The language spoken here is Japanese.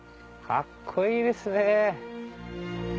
かっこいいですね。